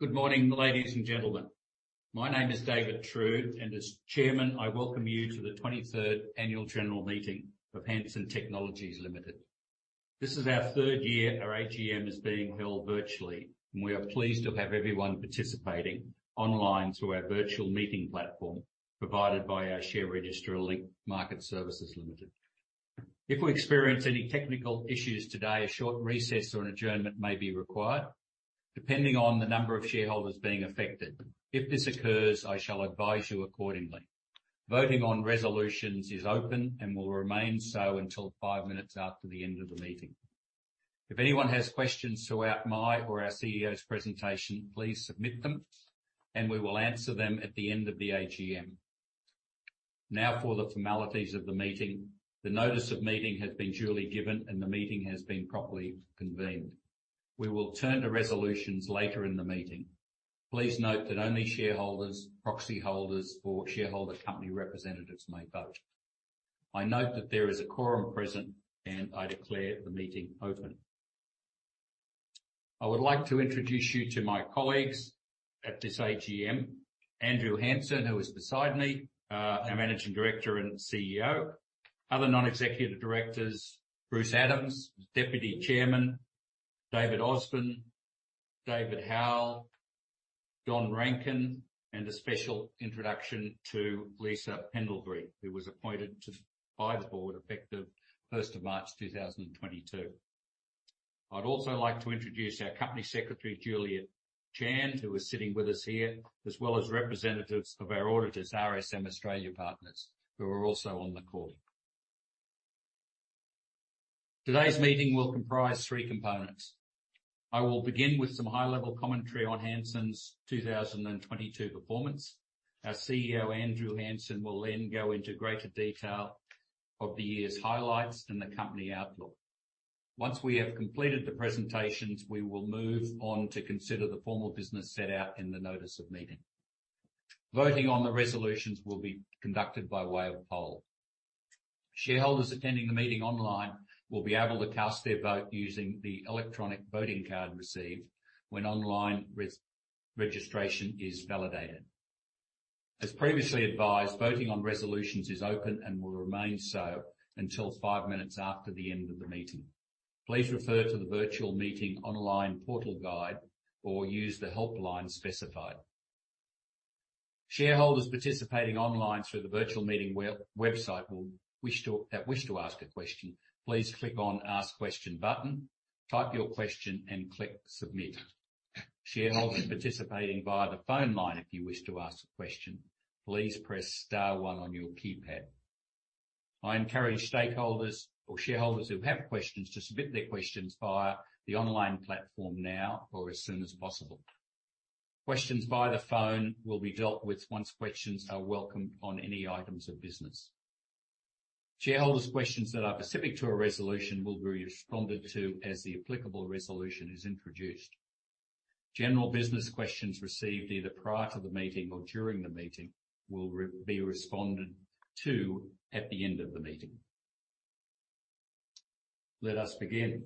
Good morning, ladies and gentlemen. My name is David Trude, and as Chairman, I welcome you to the 23rd Annual General Meeting of Hansen Technologies Limited. This is our 3rd year our AGM is being held virtually, and we are pleased to have everyone participating online through our virtual meeting platform provided by our share registrar, Link Market Services Limited. If we experience any technical issues today, a short recess or an adjournment may be required depending on the number of shareholders being affected. If this occurs, I shall advise you accordingly. Voting on resolutions is open and will remain so until 5 minutes after the end of the meeting. If anyone has questions throughout my or our CEO's presentation, please submit them, and we will answer them at the end of the AGM. Now for the formalities of the meeting. The notice of meeting has been duly given. The meeting has been properly convened. We will turn to resolutions later in the meeting. Please note that only shareholders, proxy holders, or shareholder company representatives may vote. I note that there is a quorum present. I declare the meeting open. I would like to introduce you to my colleagues at this AGM. Andrew Hansen, who is beside me, our Managing Director and CEO. Other Non-Executive Directors, Bruce Adams, Deputy Chairman. David Osborne, David Howell, Don Rankin, and a special introduction to Lisa Pendlebury, who was appointed by the board effective 1st of March 2022. I'd also like to introduce our Company Secretary, Julia Chand, who is sitting with us here, as well as representatives of our auditors, RSM Australia Partners, who are also on the call. Today's meeting will comprise three components. I will begin with some high-level commentary on Hansen's 2022 performance. Our CEO, Andrew Hansen, will then go into greater detail of the year's highlights and the company outlook. Once we have completed the presentations, we will move on to consider the formal business set out in the notice of meeting. Voting on the resolutions will be conducted by way of poll. Shareholders attending the meeting online will be able to cast their vote using the electronic voting card received when online registration is validated. As previously advised, voting on resolutions is open and will remain so until 5 minutes after the end of the meeting. Please refer to the virtual meeting online portal guide or use the helpline specified. Shareholders participating online through the virtual meeting web-website that wish to ask a question, please click on Ask Question button, type your question and click Submit. Shareholders participating via the phone line, if you wish to ask a question, please press star one on your keypad. I encourage stakeholders or shareholders who have questions to submit their questions via the online platform now or as soon as possible. Questions via the phone will be dealt with once questions are welcomed on any items of business. Shareholders' questions that are specific to a resolution will be responded to as the applicable resolution is introduced. General business questions received either prior to the meeting or during the meeting will be responded to at the end of the meeting. Let us begin.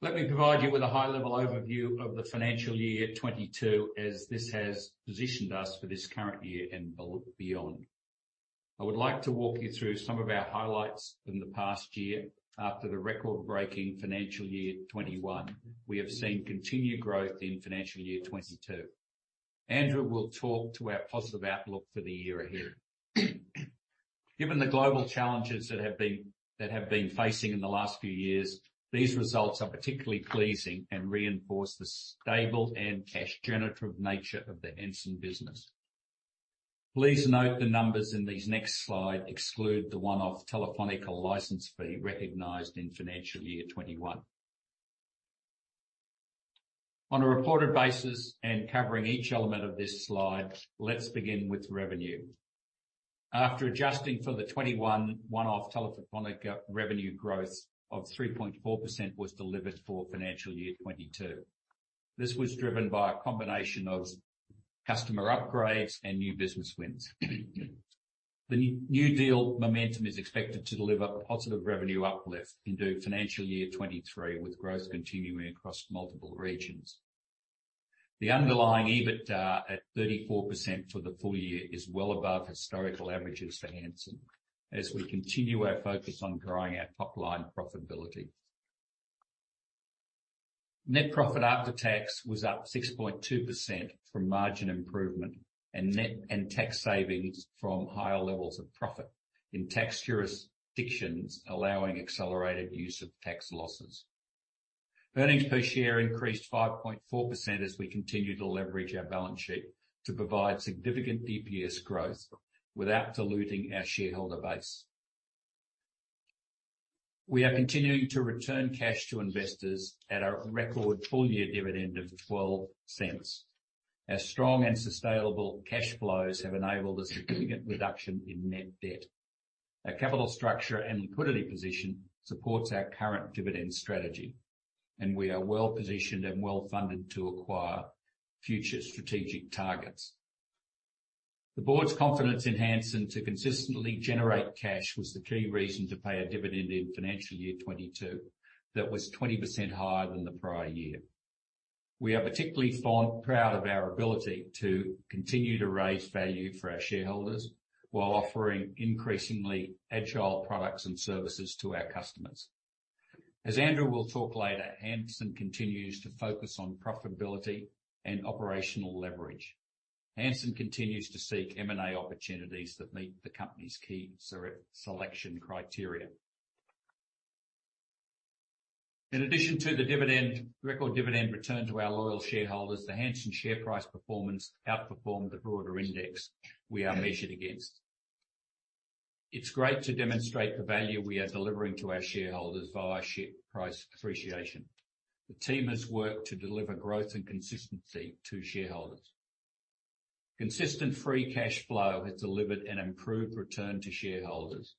Let me provide you with a high-level overview of the financial year 2022 as this has positioned us for this current year and beyond. I would like to walk you through some of our highlights in the past year. After the record-breaking financial year 2021, we have seen continued growth in financial year 2022. Andrew will talk to our positive outlook for the year ahead. Given the global challenges that have been facing in the last few years, these results are particularly pleasing and reinforce the stable and cash generative nature of the Hansen business. Please note the numbers in these next slide exclude the one-off Telefónica license fee recognized in financial year 2021. On a reported basis and covering each element of this slide, let's begin with revenue. After adjusting for the 2021 one-off Telefónica revenue growth of 3.4% was delivered for financial year 2022. This was driven by a combination of customer upgrades and new business wins. The new deal momentum is expected to deliver positive revenue uplift into financial year 2023, with growth continuing across multiple regions. The underlying EBITDA at 34% for the full year is well above historical averages for Hansen as we continue our focus on growing our top-line profitability. Net profit after tax was up 6.2% from margin improvement and net and tax savings from higher levels of profit in tax jurisdictions, allowing accelerated use of tax losses. Earnings per share increased 5.4% as we continue to leverage our balance sheet to provide significant EPS growth without diluting our shareholder base. We are continuing to return cash to investors at a record full-year dividend of 0.12 as strong and sustainable cash flows have enabled a significant reduction in net debt. Our capital structure and liquidity position supports our current dividend strategy, and we are well-positioned and well-funded to acquire future strategic targets. The board's confidence in Hansen to consistently generate cash was the key reason to pay a dividend in financial year 2022 that was 20% higher than the prior year. We are particularly proud of our ability to continue to raise value for our shareholders while offering increasingly agile products and services to our customers. As Andrew will talk later, Hansen continues to focus on profitability and operational leverage. Hansen continues to seek M&A opportunities that meet the company's key selection criteria. In addition to the dividend, record dividend return to our loyal shareholders, the Hansen share price performance outperformed the broader index we are measured against. It's great to demonstrate the value we are delivering to our shareholders via share price appreciation. The team has worked to deliver growth and consistency to shareholders. Consistent free cash flow has delivered an improved return to shareholders.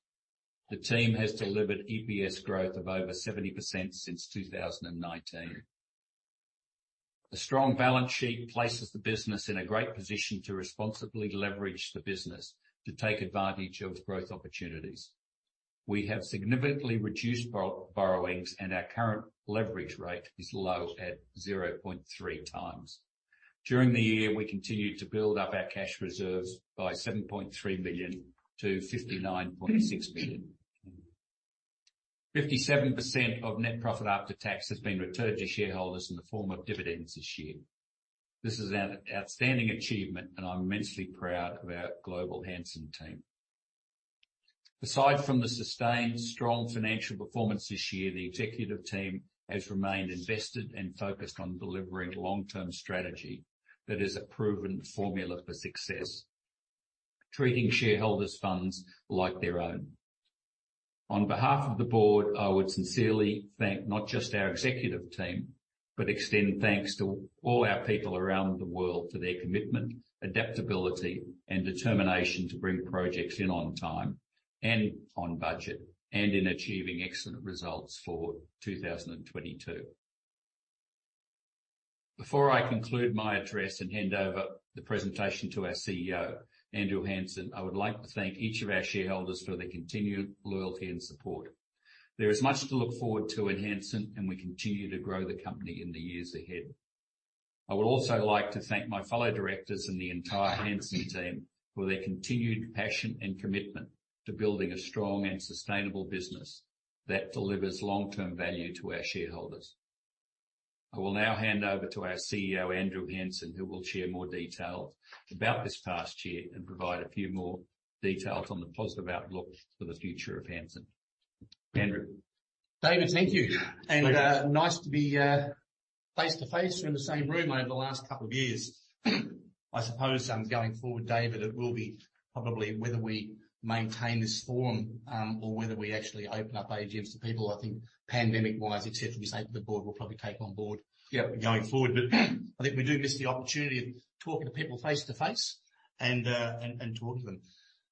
The team has delivered EPS growth of over 70% since 2019. A strong balance sheet places the business in a great position to responsibly leverage the business to take advantage of growth opportunities. We have significantly reduced borrowings, and our current leverage rate is low at 0.3 times. During the year, we continued to build up our cash reserves by 7.3 million to 59.6 million. 57% of net profit after tax has been returned to shareholders in the form of dividends this year. This is an outstanding achievement, and I'm immensely proud of our global Hansen team. Aside from the sustained strong financial performance this year, the executive team has remained invested and focused on delivering long-term strategy that is a proven formula for success, treating shareholders' funds like their own. On behalf of the board, I would sincerely thank not just our executive team, but extend thanks to all our people around the world for their commitment, adaptability, and determination to bring projects in on time and on budget, and in achieving excellent results for 2022. Before I conclude my address and hand over the presentation to our CEO, Andrew Hansen, I would like to thank each of our shareholders for their continued loyalty and support. There is much to look forward to in Hansen, and we continue to grow the company in the years ahead. I would also like to thank my fellow directors and the entire Hansen team for their continued passion and commitment to building a strong and sustainable business that delivers long-term value to our shareholders. I will now hand over to our CEO Andrew Hansen, who will share more details about this past year and provide a few more details on the positive outlook for the future of Hansen. Andrew. David, thank you. Thanks. Nice to be face to face. We're in the same room over the last couple of years. I suppose, going forward, David, it will be probably whether we maintain this forum or whether we actually open up AGMs to people. I think pandemic-wise, et cetera, we say the board will probably take on board going forward. I think we do miss the opportunity of talking to people face to face and talk to them.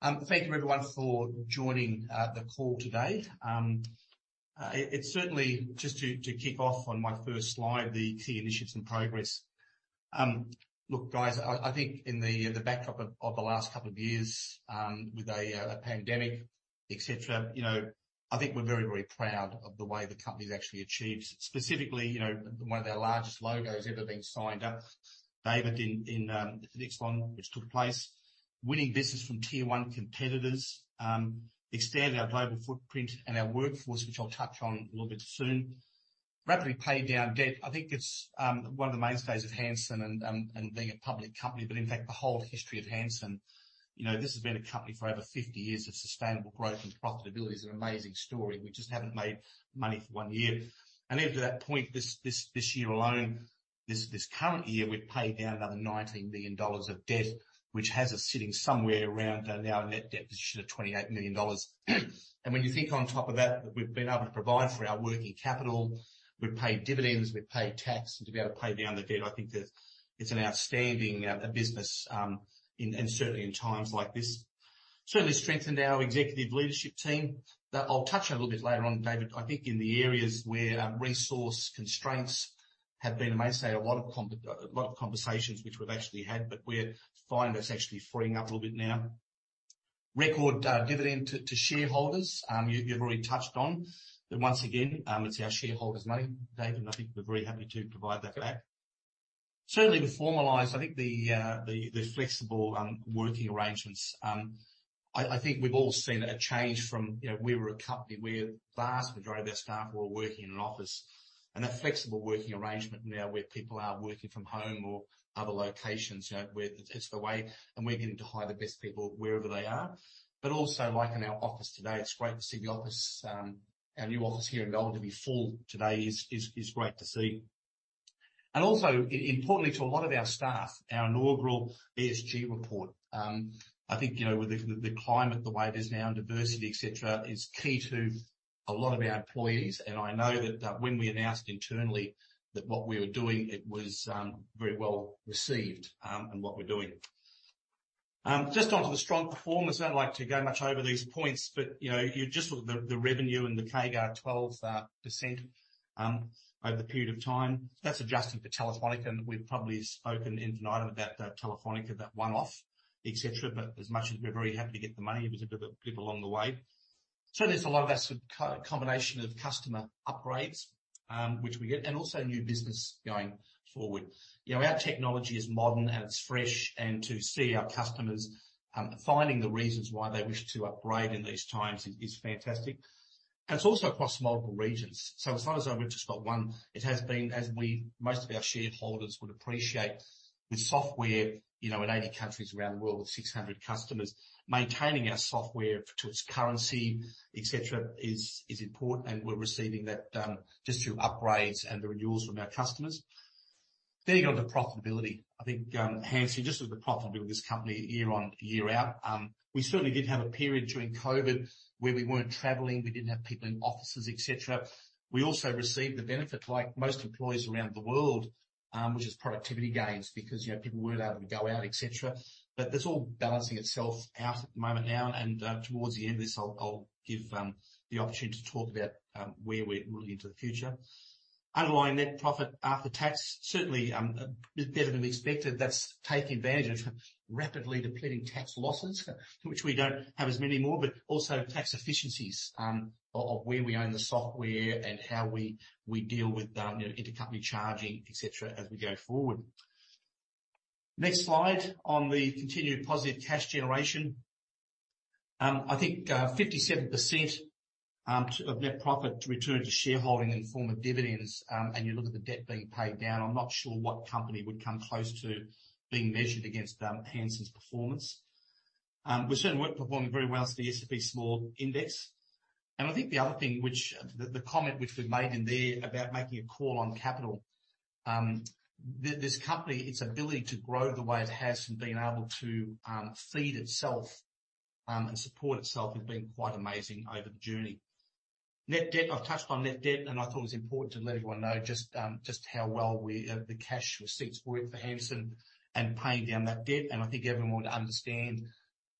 Thank you everyone for joining the call today. It's certainly, just to kick off on my first slide, the key initiatives and progress. Look, guys, I think in the backdrop of the last couple of years, with a pandemic, et cetera. You know, I think we're very, very proud of the way the company's actually achieved. Specifically, you know, one of our largest logos ever been signed up, David, in the next one, which took place. Winning business from tier one competitors. Expanding our global footprint and our workforce, which I'll touch on a little bit soon. Rapidly pay down debt. I think it's one of the mainstays of Hansen and being a public company, but in fact the whole history of Hansen. You know, this has been a company for over 50 years of sustainable growth and profitability is an amazing story. We just haven't made money for 1 year. Even to that point, this year alone, this current year, we've paid down another 19 million dollars of debt, which has us sitting somewhere around now a net debt position of 28 million dollars. When you think on top of that we've been able to provide for our working capital, we've paid dividends, we've paid tax, and to be able to pay down the debt, I think that it's an outstanding business, and certainly in times like this. Certainly strengthened our executive leadership team. That I'll touch on a little bit later on, David. I think in the areas where resource constraints have been, I may say a lot of conversations which we've actually had, but we're finding that's actually freeing up a little bit now. Record dividend to shareholders, you've already touched on. Once again, it's our shareholders' money, David, and I think we're very happy to provide that back. Certainly, we formalized, I think the flexible working arrangements. I think we've all seen a change from, you know, we were a company where vast majority of our staff were working in an office. That flexible working arrangement now where people are working from home or other locations, you know, where it's the way, and we're getting to hire the best people wherever they are. Also like in our office today, it's great to see the office, our new office here in Melbourne to be full today is great to see. Also importantly to a lot of our staff, our inaugural ESG report. I think, you know, with the climate the way it is now and diversity et cetera, is key to a lot of our employees. I know that when we announced internally that what we were doing, it was very well received in what we're doing. Just onto the strong performance. I don't like to go much over these points, but, you know, you just look at the revenue and the CAGR 12% over the period of time. That's adjusted for Telefónica, and we've probably spoken ad infinitum about that Telefónica, that one-off, et cetera. As much as we're very happy to get the money, it was a bit of a blip along the way. Certainly it's a lot of our sort of co-combination of customer upgrades, which we get, and also new business going forward. You know, our technology is modern and it's fresh, and to see our customers finding the reasons why they wish to upgrade in these times is fantastic. It's also across multiple regions. As long as I've just got one, it has been, as most of our shareholders would appreciate, with software, you know, in 80 countries around the world with 600 customers, maintaining our software to its currency, et cetera, is important, and we're receiving that just through upgrades and the renewals from our customers. You go to the profitability. I think Hansen, just with the profitability of this company year on year out, we certainly did have a period during COVID where we weren't traveling, we didn't have people in offices, et cetera. We also received the benefit, like most employees around the world, which is productivity gains because, you know, people weren't able to go out, et cetera. That's all balancing itself out at the moment now, and towards the end of this, I'll give the opportunity to talk about where we're looking into the future. Underlying net profit after tax, certainly, a bit better than expected. That's taking advantage of rapidly depleting tax losses, which we don't have as many more, but also tax efficiencies of where we own the software and how we deal with, you know, intercompany charging, et cetera, as we go forward. Next slide on the continued positive cash generation. I think 57% of net profit to return to shareholding in the form of dividends. You look at the debt being paid down, I'm not sure what company would come close to being measured against Hansen's performance. We certainly weren't performing very well against the S&P Small Index. I think the other thing which the comment which was made in there about making a call on capital, this company, its ability to grow the way it has from being able to feed itself and support itself has been quite amazing over the journey. Net debt. I've touched on net debt, and I thought it was important to let everyone know just how well we the cash receipts work for Hansen and paying down that debt. I think everyone would understand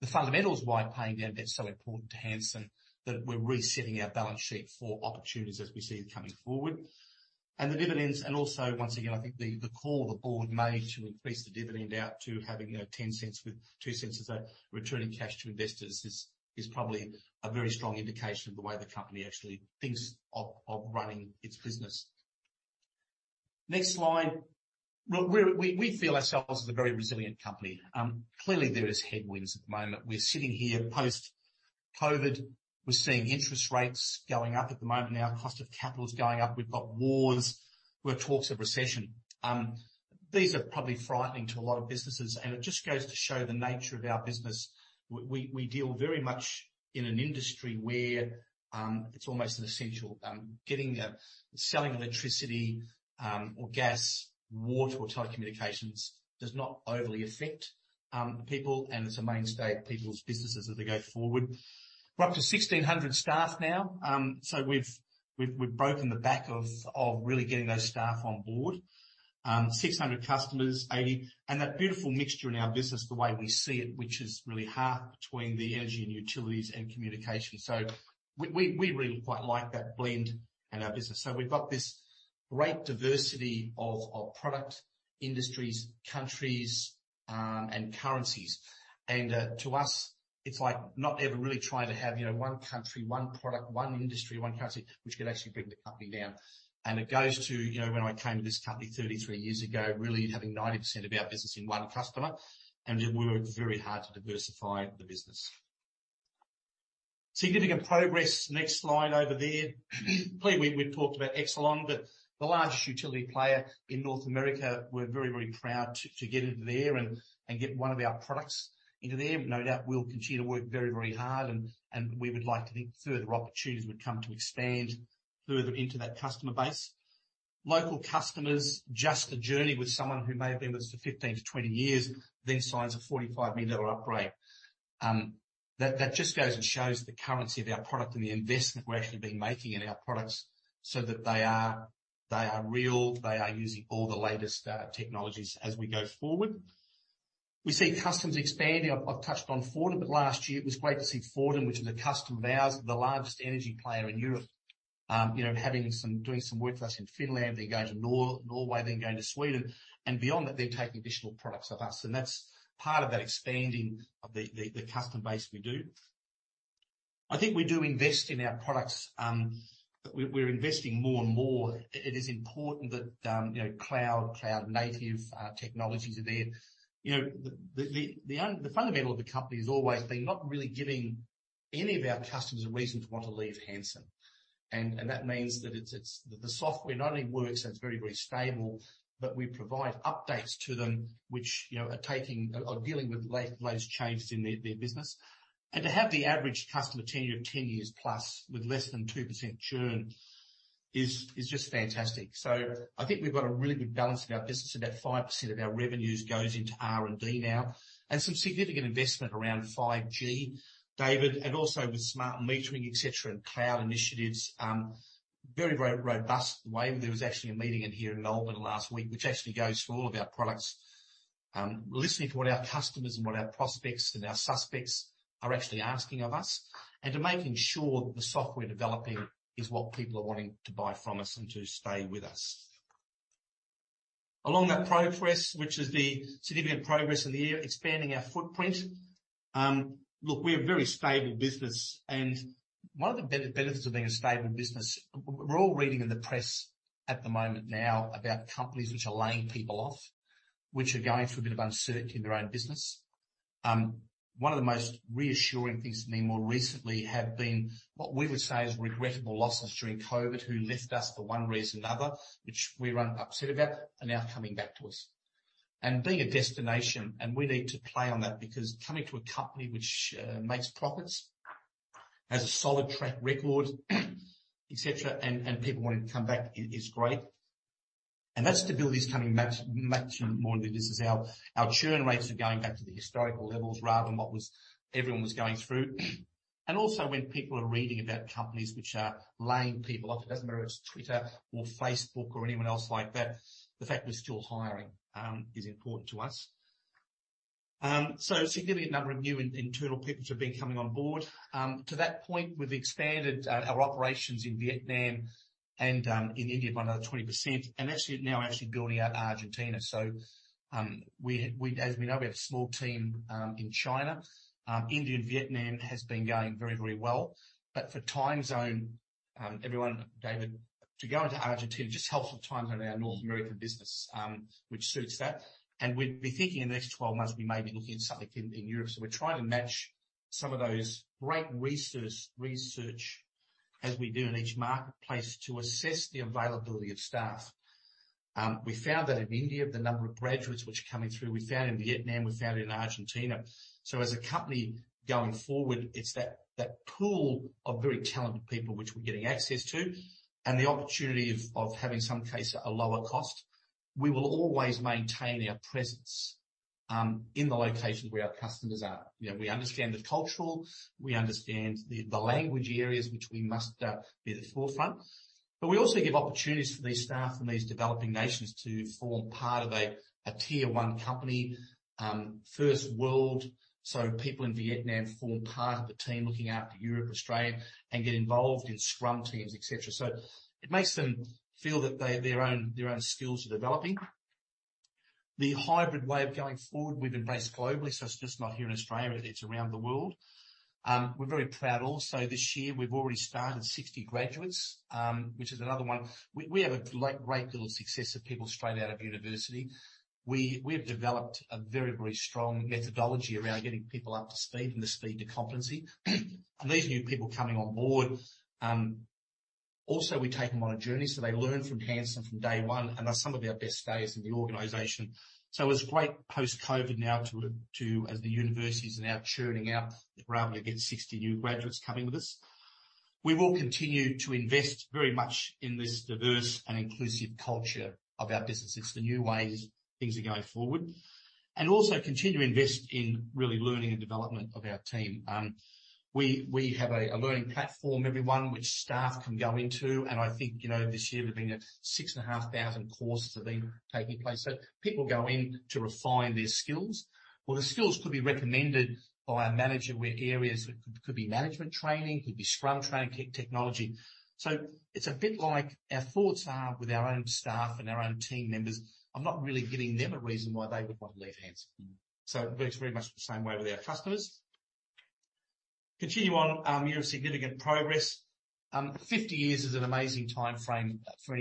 the fundamentals why paying down debt is so important to Hansen, that we're resetting our balance sheet for opportunities as we see them coming forward. The dividends, and also once again, I think the call the board made to increase the dividend out to having, you know, 0.10 with 0.02 as a returning cash to investors is probably a very strong indication of the way the company actually thinks of running its business. Next slide. We feel ourselves as a very resilient company. Clearly there is headwinds at the moment. We're sitting here post-COVID. We're seeing interest rates going up at the moment now. Cost of capital is going up. We've got wars. We have talks of recession. These are probably frightening to a lot of businesses, and it just goes to show the nature of our business. We deal very much in an industry where it's almost an essential, getting selling electricity, or gas, water or telecommunications does not overly affect people, and it's a mainstay of people's businesses as they go forward. We're up to 1,600 staff now. We've broken the back of really getting those staff on board. 600 customers, 80, and that beautiful mixture in our business, the way we see it, which is really half between the energy and utilities and communication. We really quite like that blend in our business. We've got this great diversity of product, industries, countries, and currencies. To us, it's like not ever really trying to have, you know, one country, one product, one industry, one country, which could actually bring the company down. It goes to, you know, when I came to this company 33 years ago, really having 90% of our business in one customer, and we worked very hard to diversify the business. Significant progress. Next slide over there. Clearly, we talked about Exelon, the largest utility player in North America. We're very proud to get into there and get one of our products into there. No doubt we'll continue to work very hard and we would like to think further opportunities would come to expand further into that customer base. Local customers, just the journey with someone who may have been with us for 15 to 20 years, then signs a 45 million upgrade. That just goes and shows the currency of our product and the investment we're actually been making in our products so that they are, they are real, they are using all the latest technologies as we go forward. We see customers expanding. I've touched on Fortum, but last year it was great to see Fortum, which is the customer of ours, the largest energy player in Europe. You know, having some, doing some work with us in Finland, then going to Norway, then going to Sweden. Beyond that, they're taking additional products of us. That's part of that expanding of the customer base we do. I think we do invest in our products. We're investing more and more. It is important that, you know, cloud native technologies are there. You know, the fundamental of the company has always been not really giving any of our customers a reason to want to leave Hansen. That means that the software not only works and it's very, very stable, but we provide updates to them which, you know, are taking or dealing with latest changes in their business. To have the average customer tenure of 10 years plus with less than 2% churn is just fantastic. I think we've got a really good balance in our business. About 5% of our revenues goes into R&D now. Some significant investment around 5G, David, and also with smart metering, et cetera, and cloud initiatives. Very, very robust the way. There was actually a meeting in here in Melbourne last week, which actually goes through all of our products. Listening to what our customers and what our prospects and our suspects are actually asking of us, and to making sure that the software we're developing is what people are wanting to buy from us and to stay with us. Along that progress, which is the significant progress of the year, expanding our footprint. Look, we're a very stable business, and one of the benefits of being a stable business, we're all reading in the press at the moment now about companies which are laying people off, which are going through a bit of uncertainty in their own business. One of the most reassuring things for me more recently have been what we would say is regrettable losses during COVID, who left us for one reason or another, which we're upset about, are now coming back to us. Being a destination, and we need to play on that because coming to a company which makes profits, has a solid track record, et cetera, and people wanting to come back is great. That stability is coming much more into this as our churn rates are going back to the historical levels rather than what was everyone was going through. Also when people are reading about companies which are laying people off, it doesn't matter if it's Twitter or Facebook or anyone else like that, the fact we're still hiring is important to us. A significant number of new and internal people which have been coming on board. To that point, we've expanded our operations in Vietnam and in India by another 20%, and actually now actually building out Argentina. As we know, we have a small team in China. India and Vietnam has been going very, very well. For time zone, everyone, David, to go into Argentina just helps with time zone our North American business, which suits that. We'd be thinking in the next 12 months, we may be looking at something in Europe. We're trying to match some of those great resource research as we do in each marketplace to assess the availability of staff. We found that in India, the number of graduates which are coming through, we found in Vietnam, we found in Argentina. As a company going forward, it's that pool of very talented people which we're getting access to and the opportunity of having some case at a lower cost. We will always maintain our presence in the locations where our customers are. You know, we understand the cultural, we understand the language areas which we must be at the forefront. But we also give opportunities for these staff from these developing nations to form part of a tier one company, first world. People in Vietnam form part of the team looking after Europe, Australia, and get involved in scrum teams, et cetera. It makes them feel that their own skills are developing. The hybrid way of going forward we've embraced globally. It's just not here in Australia, but it's around the world. We're very proud also this year, we've already started 60 graduates, which is another one. We have a great deal of success of people straight out of university. We have developed a very, very strong methodology around getting people up to speed and the speed to competency. These new people coming on board, also we take them on a journey, so they learn from Hansen from day one and are some of our best players in the organization. It's great post-COVID now to, as the universities are now churning out, we're able to get 60 new graduates coming with us. We will continue to invest very much in this diverse and inclusive culture of our businesses for new ways things are going forward, and also continue to invest in really learning and development of our team. We have a learning platform, everyone, which staff can go into. I think, you know, this year there's been a 6,500 courses have been taking place. People go in to refine their skills. Well, the skills could be recommended by a manager where areas could be management training, could be scrum training, technology. It's a bit like our thoughts are with our own staff and our own team members. I'm not really giving them a reason why they would want to leave Hansen. It works very much the same way with our customers. Continue on, year of significant progress. Fifty years is an amazing timeframe for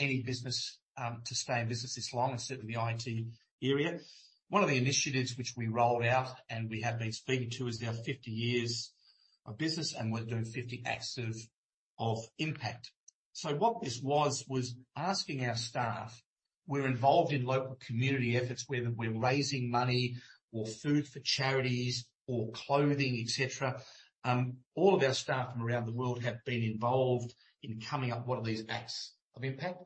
any business to stay in business this long, and certainly the IT area. One of the initiatives which we rolled out and we have been speaking to is our 50 years of business, and we're doing 50 acts of impact. What this was asking our staff, we're involved in local community efforts, whether we're raising money or food for charities or clothing, et cetera. All of our staff from around the world have been involved in coming up what are these acts of impact.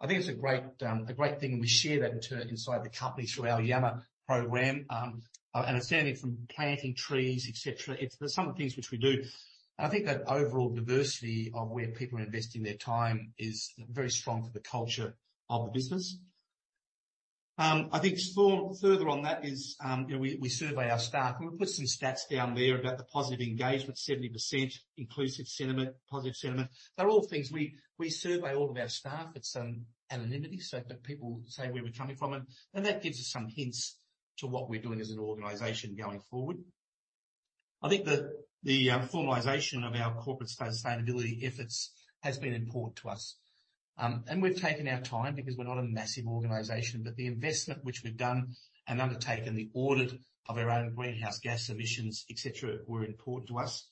I think it's a great, a great thing, and we share that inside the company through our Yammer program. It's anything from planting trees, et cetera. It's some of the things which we do. I think that overall diversity of where people are investing their time is very strong for the culture of the business. I think further on that is, you know, we survey our staff. We've put some stats down there about the positive engagement, 70% inclusive sentiment, positive sentiment. They're all things we survey all of our staff. It's anonymity, so, but people say where we're coming from and that gives us some hints to what we're doing as an organization going forward. I think the formalization of our corporate sustainability efforts has been important to us. We've taken our time because we're not a massive organization. The investment which we've done and undertaken, the audit of our own greenhouse gas emissions, et cetera, were important to us.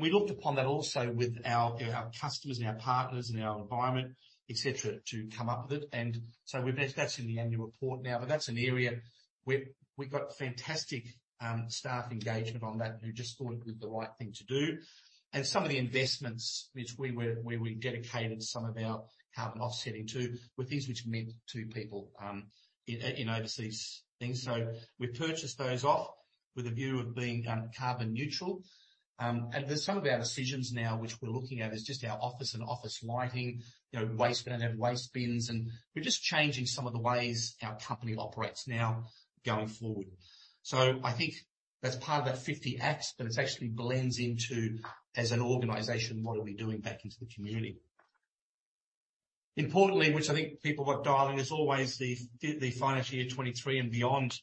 We looked upon that also with our, you know, our customers and our partners and our environment, et cetera, to come up with it. That's in the annual report now. That's an area where we've got fantastic staff engagement on that, who just thought it was the right thing to do. Some of the investments which we were, where we dedicated some of our carbon offsetting to, were things which meant to people in overseas things. We've purchased those off with a view of being carbon neutral. There's some of our decisions now which we're looking at is just our office and office lighting, you know, waste bins, and we're just changing some of the ways our company operates now going forward. That's part of that 50 acts, but it's actually blends into, as an organization, what are we doing back into the community. Importantly, which I think people got dialing is always the financial year 2023 and beyond.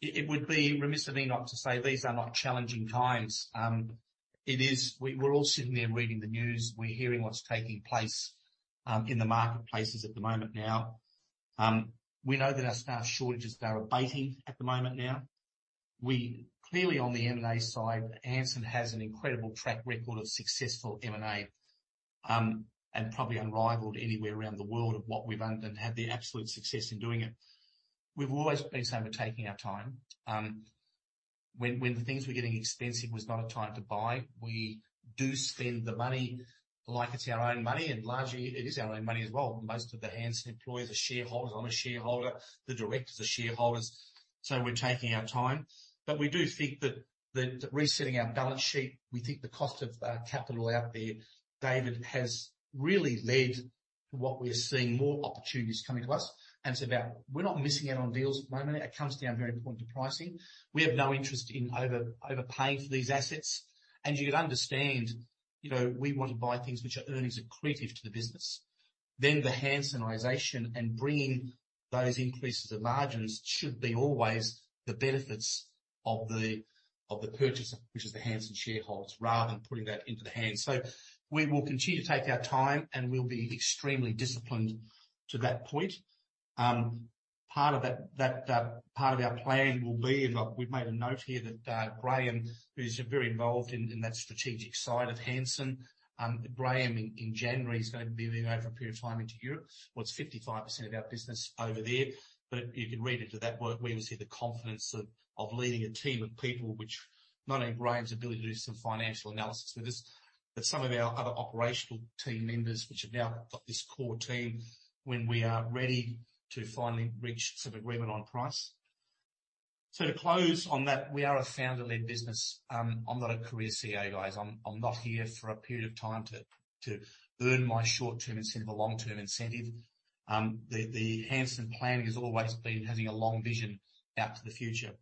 It would be remiss of me not to say these are not challenging times. We're all sitting there reading the news. We're hearing what's taking place in the marketplaces at the moment now. We know that our staff shortages are abating at the moment now. Clearly on the M&A side, Hansen has an incredible track record of successful M&A, and probably unrivaled anywhere around the world of what we've done and had the absolute success in doing it. We've always been saying we're taking our time. When the things were getting expensive was not a time to buy. We do spend the money like it's our own money. Largely it is our own money as well. Most of the Hansen employees are shareholders. I'm a shareholder. The directors are shareholders. We're taking our time. We do think that the resetting our balance sheet, we think the cost of capital out there, David, has really led to what we are seeing more opportunities coming to us. It's about we're not missing out on deals at the moment. It comes down very important to pricing. We have no interest in overpaying for these assets. You can understand, you know, we want to buy things which are earnings accretive to the business. The Hansenization and bringing those increases of margins should be always the benefits of the purchaser, which is the Hansen shareholders, rather than putting that into the hands. We will continue to take our time, and we'll be extremely disciplined to that point. Part of that part of our plan will be, and look, we've made a note here that Graeme, who's very involved in that strategic side of Hansen, Graeme in January is gonna be moving over a period of time into Europe. It's 55% of our business over there, but you can read into that work where you see the confidence of leading a team of people, which not only Graeme's ability to do some financial analysis with us, but some of our other operational team members which have now got this core team when we are ready to finally reach some agreement on price. To close on that, we are a founder-led business. I'm not a career CEO, guys. I'm not here for a period of time to earn my short-term incentive or long-term incentive. The Hansen planning has always been having a long vision out to the future.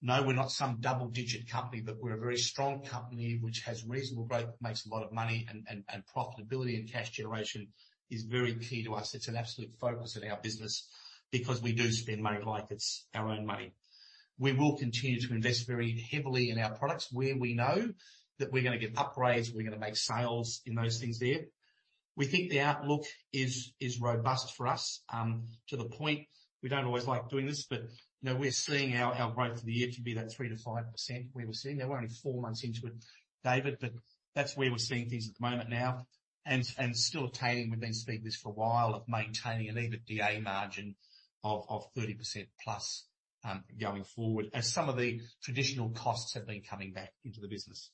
No, we're not some double-digit company, but we're a very strong company which has reasonable growth, makes a lot of money, and profitability and cash generation is very key to us. It's an absolute focus in our business because we do spend money like it's our own money. We will continue to invest very heavily in our products where we know that we're gonna get upgrades, we're gonna make sales in those things there. We think the outlook is robust for us, to the point we don't always like doing this, but, you know, we're seeing our growth for the year to be that 3% to 5% we were seeing. We're only four months into it, David, but that's where we're seeing things at the moment now. Still attaining, we've been speaking this for a while, of maintaining an EBITDA margin of 30%+ going forward as some of the traditional costs have been coming back into the business.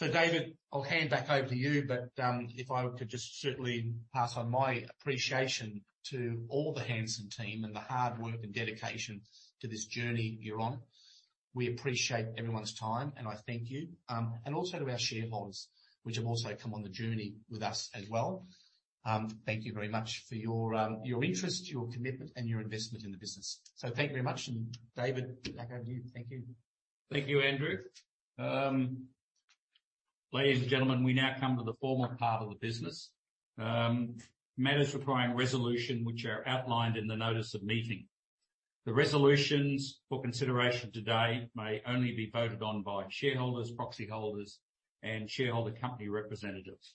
David, I'll hand back over to you, but if I could just certainly pass on my appreciation to all the Hansen team and the hard work and dedication to this journey you're on. We appreciate everyone's time, and I thank you. Also to our shareholders, which have also come on the journey with us as well. Thank you very much for your interest, your commitment, and your investment in the business. Thank you very much. David, back over to you. Thank you. Thank you, Andrew. Ladies and gentlemen, we now come to the formal part of the business. Matters requiring resolution which are outlined in the notice of meeting. The resolutions for consideration today may only be voted on by shareholders, proxy holders, and shareholder company representatives.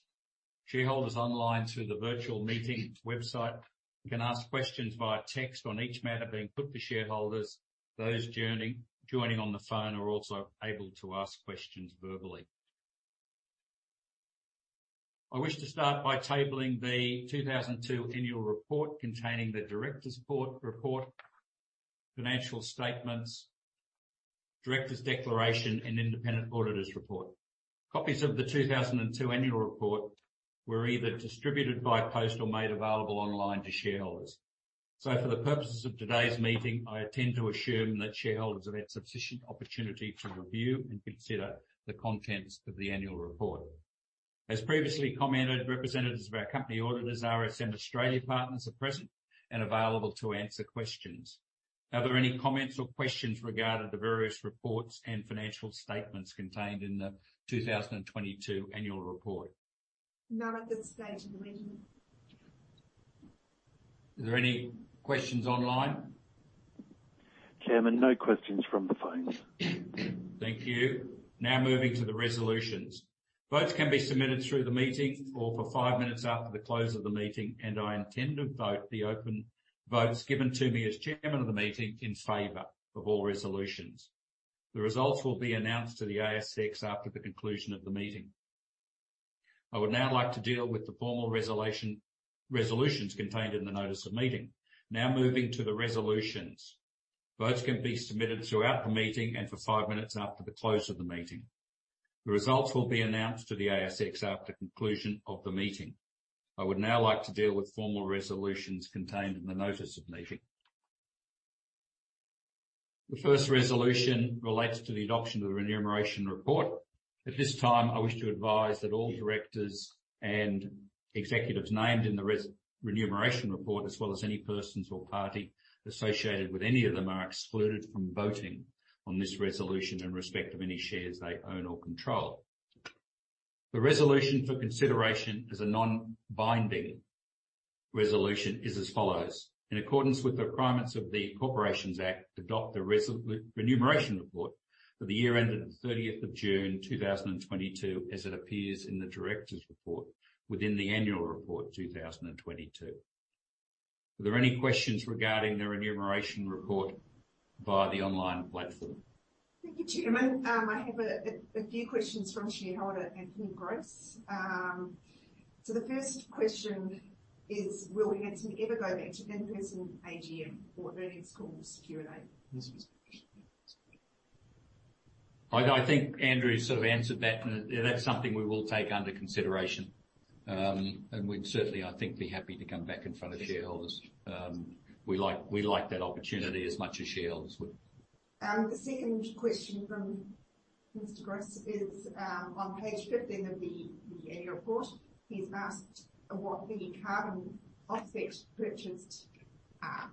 Shareholders online through the virtual meeting website can ask questions via text on each matter being put to shareholders. Those joining on the phone are also able to ask questions verbally. I wish to start by tabling the 2002 annual report containing the directors' report, financial statements, directors' declaration, and independent auditors' report. Copies of the 2002 annual report were either distributed by post or made available online to shareholders. For the purposes of today's meeting, I intend to assume that shareholders have had sufficient opportunity to review and consider the contents of the annual report. As previously commented, representatives of our company auditors, RSM Australia Partners, are present and available to answer questions. Are there any comments or questions regarding the various reports and financial statements contained in the 2022 annual report? None at this stage, waiting. Is there any questions online? Chairman, no questions from the phones. Thank you. Now moving to the resolutions. Votes can be submitted through the meeting or for 5 minutes after the close of the meeting, and I intend to vote the open votes given to me as chairman of the meeting in favor of all resolutions. The results will be announced to the ASX after the conclusion of the meeting. I would now like to deal with the formal resolutions contained in the notice of meeting. Now moving to the resolutions. Votes can be submitted throughout the meeting and for 5 minutes after the close of the meeting. The results will be announced to the ASX after conclusion of the meeting. I would now like to deal with formal resolutions contained in the notice of meeting. The first resolution relates to the adoption of the remuneration report. At this time, I wish to advise that all directors and executives named in the remuneration report, as well as any persons or party associated with any of them, are excluded from voting on this resolution in respect of any shares they own or control. The resolution for consideration is a non-binding resolution is as follows. In accordance with the requirements of the Corporations Act, adopt the remuneration report for the year ended 30th of June 2022, as it appears in the directors' report within the annual report 2022. Are there any questions regarding the remuneration report via the online platform? Thank you, Chairman. I have a few questions from shareholder Anthony Gross. The first question is, will Hansen ever go back to in-person AGM or at least call a Q&A? I think Andrew sort of answered that. That's something we will take under consideration. We'd certainly, I think, be happy to come back in front of shareholders. We like that opportunity as much as shareholders would. The second question from Mr. Gross is on page 15 of the annual report. He's asked what the carbon offset purchased are.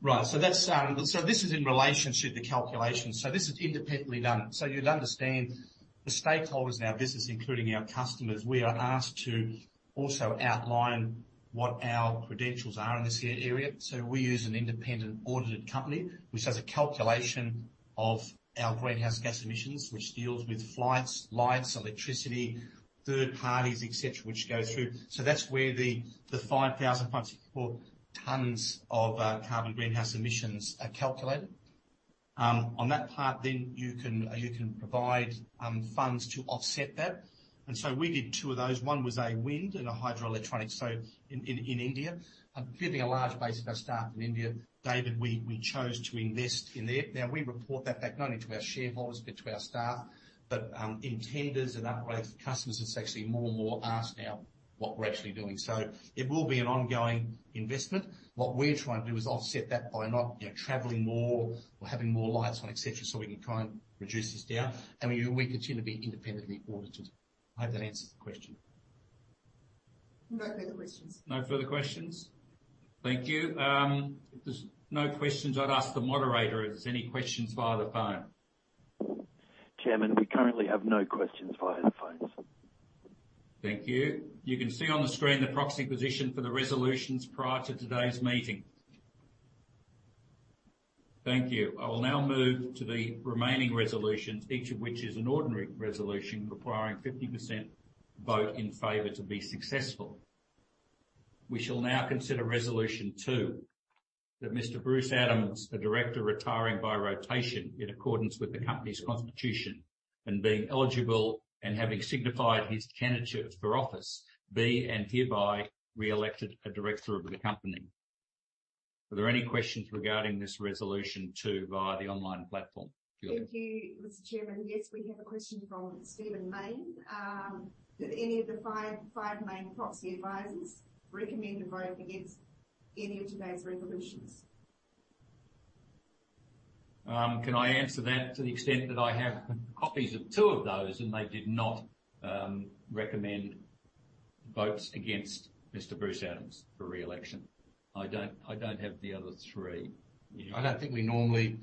Right. This is in relation to the calculation. This is independently done. You'd understand the stakeholders in our business, including our customers, we are asked to also outline what our credentials are in this area. We use an independent audited company which does a calculation of our greenhouse gas emissions, which deals with flights, lights, electricity, third parties, et cetera, which go through. That's where the 5,564 tons of carbon greenhouse emissions are calculated. On that part you can provide funds to offset that. We did two of those. One was a wind and a hydroelectric. In India. Giving a large base of our staff in India, David, we chose to invest in there. We report that back not only to our shareholders, but to our staff. In tenders and upgrades for customers, it's actually more and more asked now what we're actually doing. It will be an ongoing investment. What we're trying to do is offset that by not, you know, traveling more or having more lights on, et cetera, so we can try and reduce this down. We continue to be independently audited. I hope that answers the question. No further questions. No further questions. Thank you. If there's no questions, I'd ask the moderator if there's any questions via the phone. Chairman, we currently have no questions via the phones. Thank you. You can see on the screen the proxy position for the resolutions prior to today's meeting. Thank you. I will now move to the remaining resolutions, each of which is an ordinary resolution requiring 50% vote in favor to be successful. We shall now consider resolution two, that Mr. Bruce Adams, a director retiring by rotation in accordance with the company's constitution and being eligible and having signified his candidature for office, be and hereby re-elected a director of the company. Are there any questions regarding this resolution two via the online platform? Julia. Thank you, Mr. Chairman. Yes, we have a question from Stephen Mayne. Did any of the five main proxy advisors recommend a vote against any of today's resolutions? Can I answer that to the extent that I have copies of two of those, and they did not recommend votes against Mr. Bruce Adams for re-election. I don't have the other three. I don't think we normally.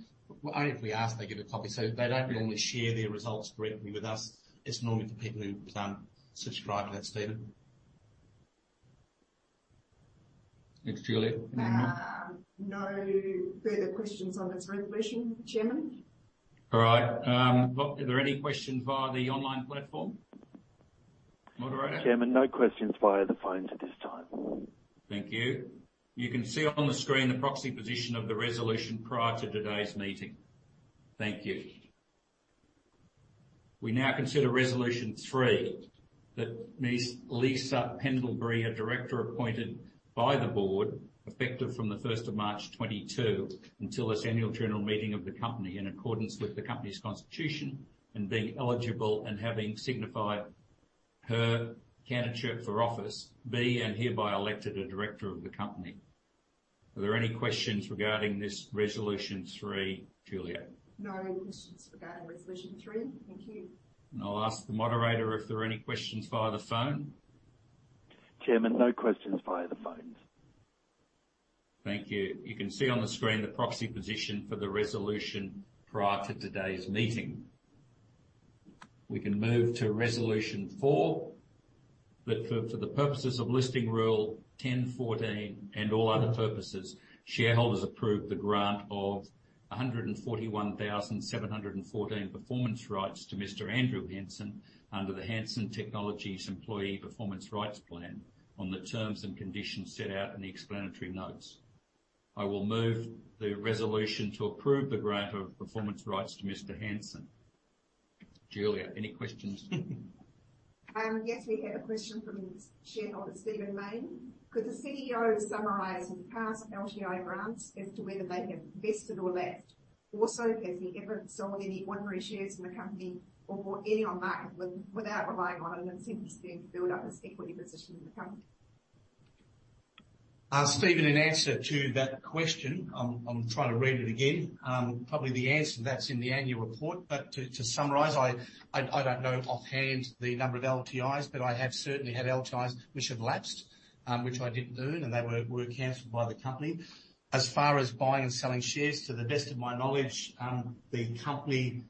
Only if we ask, they give a copy. They don't normally share their results directly with us. It's normally for people who subscribe to that statement. Thanks, Julia. Anything else? No further questions on this resolution, Chairman. All right. Are there any questions via the online platform? Moderator. Chairman, no questions via the phones at this time. Thank you. You can see on the screen the proxy position of the resolution prior to today's meeting. Thank you. We now consider resolution 3, that Ms. Lisa Pendlebury, a director appointed by the board effective from the 1st of March 2022 until this annual general meeting of the company in accordance with the company's constitution and being eligible and having signified her candidature for office be and hereby elected a director of the company. Are there any questions regarding this resolution 3, Julia? No questions regarding resolution three. Thank you. I'll ask the moderator if there are any questions via the phone. Chairman, no questions via the phones. Thank you. You can see on the screen the proxy position for the resolution prior to today's meeting. We can move to resolution 4. That for the purposes of Listing Rule 10.14 and all other purposes, shareholders approve the grant of 141,714 performance rights to Mr. Andrew Hansen under the Hansen Technologies Employee Performance Rights Plan on the terms and conditions set out in the explanatory notes. I will move the resolution to approve the grant of performance rights to Mr. Hansen. Julia, any questions? Yes, we have a question from shareholder Stephen Mayne. Could the CEO summarize past LTI grants as to whether they have vested or left? Also, has he ever sold any ordinary shares in the company or bought any on market without relying on an incentive scheme to build up his equity position in the company? Stephen, in answer to that question, I'm trying to read it again. Probably the answer to that's in the annual report. To summarize, I don't know offhand the number of LTIs, but I have certainly had LTIs which have lapsed, which I didn't earn, and they were canceled by the company. As far as buying and selling shares, to the best of my knowledge, the company,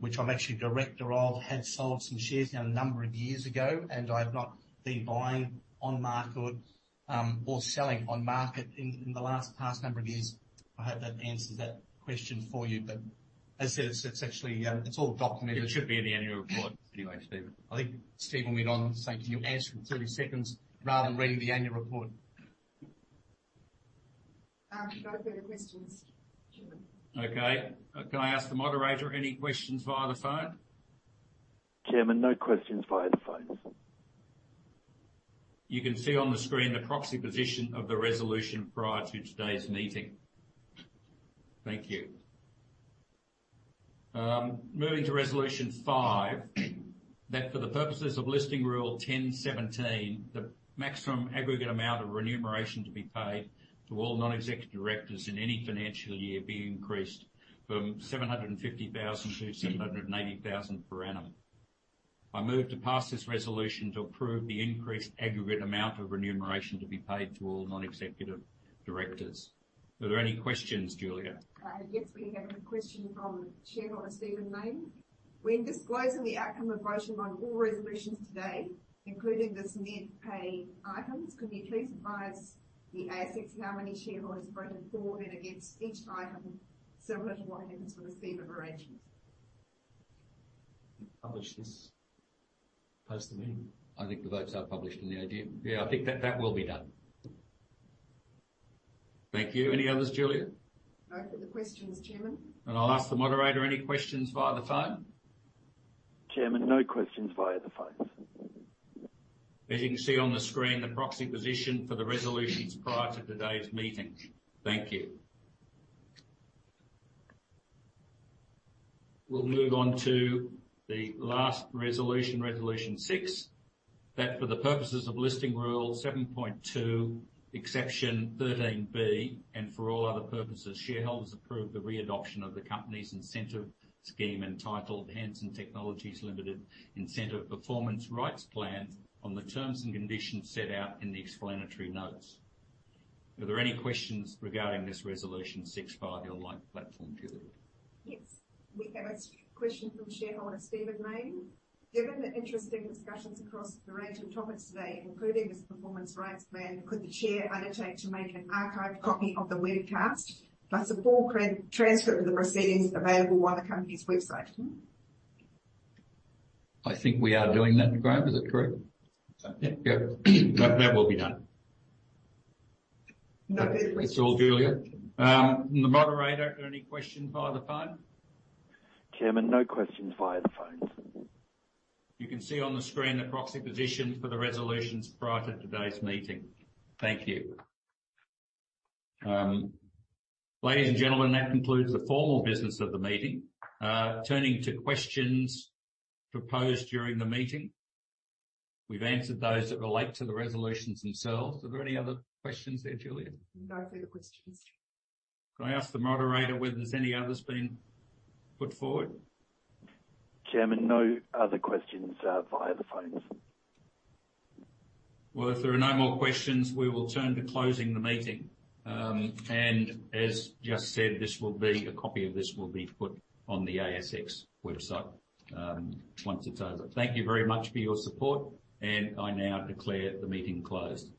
which I'm actually director of, had sold some shares now a number of years ago, and I've not been buying on market, or selling on market in the last past number of years. I hope that answers that question for you. As I said, it's actually, it's all documented. It should be in the annual report anyway, Stephen. I think Stephen went on saying, 'Can you answer in 30 seconds rather than reading the annual report?' No further questions, Chairman. Okay. Can I ask the moderator, any questions via the phone? Chairman, no questions via the phone. You can see on the screen the proxy position of the resolution prior to today's meeting. Thank you. Moving to Resolution 5, that for the purposes of Listing Rule 10.17, the maximum aggregate amount of remuneration to be paid to all non-executive directors in any financial year be increased from 750,000 to 790,000 per annum. I move to pass this resolution to approve the increased aggregate amount of remuneration to be paid to all non-executive directors. Are there any questions, Julia? Yes, we have a question from shareholder Stephen Mayne. When disclosing the outcome of voting on all resolutions today, including this name pay items, could you please advise the ASX how many shareholders voted for and against each item, similar to what happens with the receiver arrangements? Publish this post the meeting. I think the votes are published in the AG. Yeah, I think that that will be done. Thank you. Any others, Julia? No further questions, Chairman. I'll ask the moderator, any questions via the phone? Chairman, no questions via the phone. As you can see on the screen, the proxy position for the resolutions prior to today's meeting. Thank you. We'll move on to the last resolution 6. That for the purposes of Listing Rule 7.2 Exception 13 B and for all other purposes, shareholders approve the re-adoption of the company's incentive scheme entitled Hansen Technologies Limited Incentive Performance Rights Plan on the terms and conditions set out in the explanatory notes. Are there any questions regarding this resolution 6 via the online platform, Julia? Yes. We have a question from shareholder Stephen Mayne. Given the interesting discussions across the range of topics today, including this performance rights plan, could the chair undertake to make an archived copy of the webcast, plus a full transcript of the proceedings available on the company's website? I think we are doing that one. Is that correct? Yeah. Yeah. That, that will be done. No further questions. That's all, Julia. The moderator, are there any questions via the phone? Chairman, no questions via the phone. You can see on the screen the proxy position for the resolutions prior to today's meeting. Thank you. Ladies and gentlemen, that concludes the formal business of the meeting. turning to questions proposed during the meeting. We've answered those that relate to the resolutions themselves. Are there any other questions there, Julia? No further questions. Can I ask the moderator whether there's any others been put forward? Chairman, no other questions via the phones. Well, if there are no more questions, we will turn to closing the meeting. A copy of this will be put on the ASX website, once it closes. Thank you very much for your support, I now declare the meeting closed.